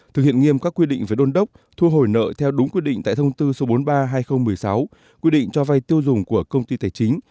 thực hiện nghiêm các quy định về đôn đốc thu hồi nợ theo đúng quy định tại thông tư số bốn mươi ba hai nghìn một mươi sáu quy định cho vay tiêu dùng của công ty tài chính